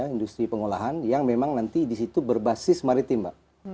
industri pengolahan yang memang nanti disitu berbasis maritim mbak